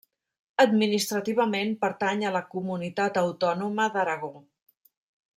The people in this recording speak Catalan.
Administrativament pertany a la comunitat autònoma d'Aragó.